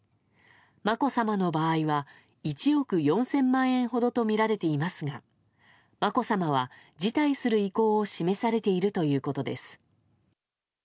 まこさまの場合は１億４０００万円ほどとみられていますがまこさまは辞退する意向を示されているということです。